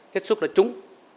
hết xúc là trúng